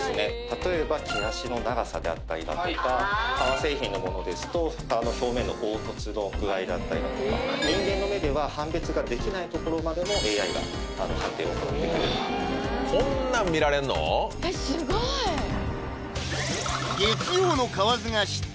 例えば毛足の長さであったりだとか革製品のものですと皮の表面の凹凸の具合だったりだとか人間の目では判別ができないところまでもＡＩが判定を行ってくれるえっ？